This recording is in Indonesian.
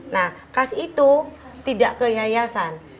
nah kas itu tidak ke yayasan